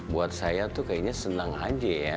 buat saya tuh kayaknya senang aja ya